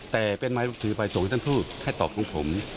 แต่เป็นไม้ถือไปส่งที่ท่านพูดให้ตอบตรงผม